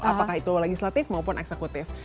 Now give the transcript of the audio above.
apakah itu legislatif maupun eksekutif